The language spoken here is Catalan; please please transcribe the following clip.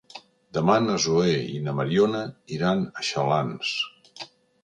Demà na Zoè i na Mariona iran a Xalans.